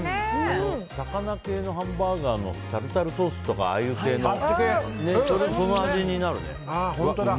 魚系のハンバーガーのタルタルソースとかああいう系の味になるね。